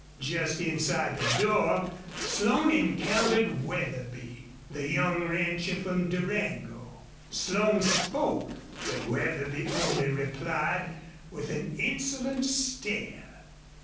Just inside the door Slone encountered Wetherby, the young rancher from Durango. Slone spoke, but Wetherby only replied with an insolent stare.